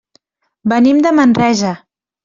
Venim de Manresa.